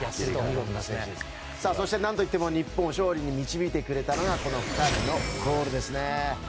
そして、何といっても日本を勝利に導いてくれたのがこの２人のゴールです。